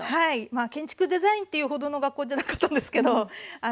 まあ建築デザインっていうほどの学校じゃなかったんですけど。